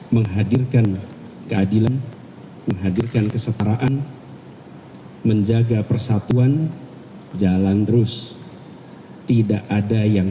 menghadirkan keadilan menghadirkan kesetaraan menjaga persatuan jalan terus tidak ada yang